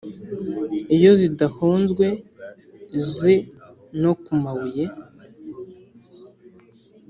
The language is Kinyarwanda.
iyo zidahonzwe se no kumabuye